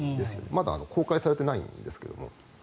まだ公開されていないんですが。